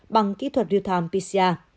bằng kỹ thuật ritam pcr